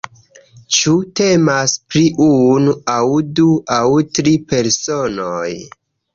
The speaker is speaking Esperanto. Ĉu temas pri unu aŭ du aŭ tri personoj?